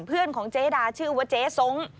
เพื่อนของเจดาชื่อว่าเจ๊ส้ง